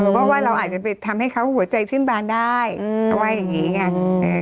เพราะว่าเราอาจจะไปทำให้เขาหัวใจชื่นบานได้เขาว่าอย่างนี้ไง